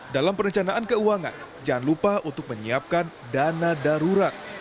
dalam perencanaan keuangan jangan lupa untuk menyiapkan dana darurat